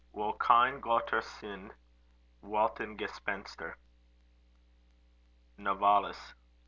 Wo keine Gotter sind, walten Gespenster. NOVALIS.